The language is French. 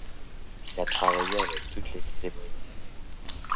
Il a travaillé avec toutes les célébrités.